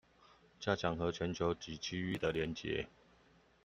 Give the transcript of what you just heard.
加強和全球及區域的連結